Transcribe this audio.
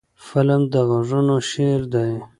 فلم د غږونو شعر دی